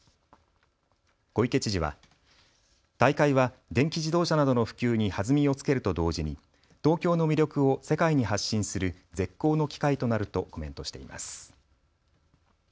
小池知事は大会は電気自動車などの普及に弾みをつけると同時に東京の魅力を世界に発信する絶好の機会となるとコメントしています。